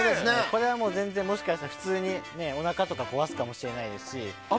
これは全然もしかしたら普通におなかとか壊すかもしれないですし。